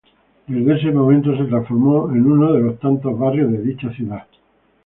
Desde ese momento se transformó en uno de los tantos barrios de dicha ciudad.